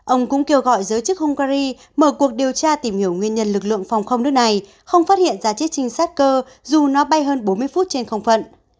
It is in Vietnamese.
ông cũng kêu gọi giới chức hungary mở cuộc điều tra tìm hiểu nguyên nhân lực lượng phòng không nước này không phát hiện ra chiếc trinh sát cơ dù nó bay hơn bốn mươi phút trên không phận